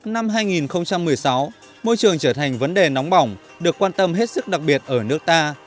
năm hai nghìn một mươi sáu môi trường trở thành vấn đề nóng bỏng được quan tâm hết sức đặc biệt ở nước ta